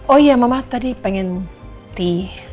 oh iya mama tadi pengen di